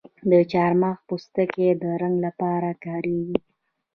د چارمغز پوستکی د رنګ لپاره کاریږي؟